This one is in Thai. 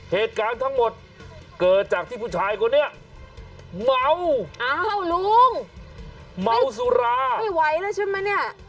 เหตุการณ์ทั้งหมดเกิดจากที่ผู้ชายคนนี้เมาอ้าวลุงเมาสุราไม่ไหวแล้วใช่ไหมเนี่ย